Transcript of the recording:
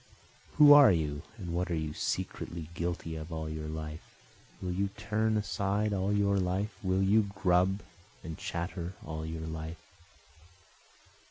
(Who are you? and what are you secretly guilty of all your life? Will you turn aside all your life? will you grub and chatter all your life?